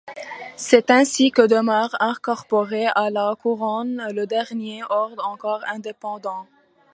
C’est ainsi que demeure incorporée à la couronne le dernier ordre encore indépendant.